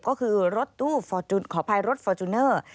ก็คือรถตู้ขออภัยรถฟอร์จูเนอร์